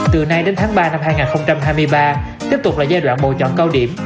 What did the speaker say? từ nay đến tháng ba năm hai nghìn hai mươi ba tiếp tục là giai đoạn bầu chọn cao điểm